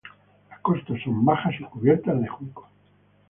Las costas son bajas y cubiertas de juncos.